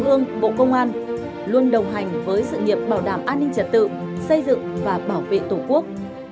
ương bộ công an luôn đồng hành với sự nghiệp bảo đảm an ninh trật tự xây dựng và bảo vệ tổ quốc